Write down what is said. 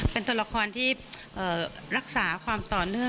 เป็นตัวละครที่รักษาความต่อเนื่อง